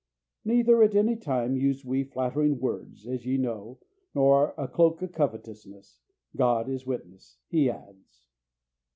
_ "Neither at any time used we flattering words, as ye know, nor a cloak of covetousness; God is witness," he adds.